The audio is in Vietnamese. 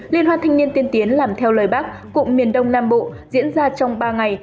liên hoan thanh niên tiên tiến làm theo lời bác cụm miền đông nam bộ diễn ra trong ba ngày